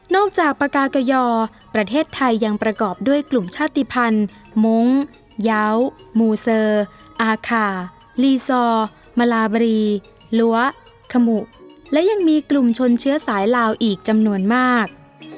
จากปากากยอประเทศไทยยังประกอบด้วยกลุ่มชาติภัณฑ์มงค์ยาวมูเซอร์อาคาลีซอร์มาลาบรีลั้วขมุและยังมีกลุ่มชนเชื้อสายลาวอีกจำนวนมาก